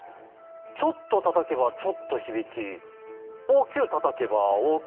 ちょっとたたけばちょっと響き大きゅうたたけば大きゅう響く。